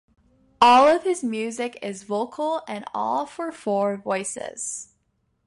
All of his music is vocal, and all for four voices.